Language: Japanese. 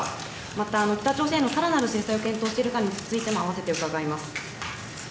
また、北朝鮮のさらなる制裁を検討しているかについても併せて伺います。